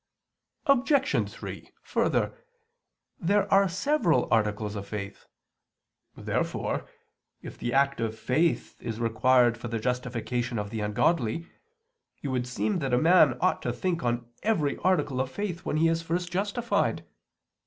Obj. 3: Further, there are several articles of faith. Therefore if the act of faith is required for the justification of the ungodly, it would seem that a man ought to think on every article of faith when he is first justified.